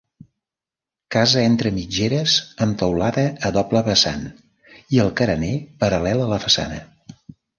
Casa entre mitgeres amb teulada a doble vessant i el carener paral·lel a la façana.